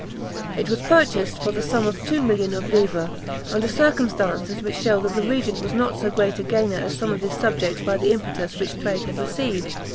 It was purchased for the sum of two millions of livres, under circumstances which shew that the regent was not so great a gainer as some of his subjects by the impetus which trade had received.